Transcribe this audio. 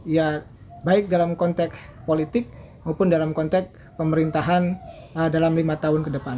ya baik dalam konteks politik maupun dalam konteks pemerintahan dalam lima tahun ke depan